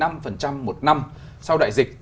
một năm sau đại dịch